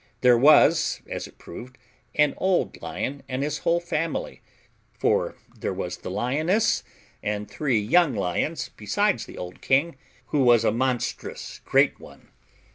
There was, as it proved, an old lion and his whole family, for there was the lioness and three young lions, besides the old king, who was a monstrous great one.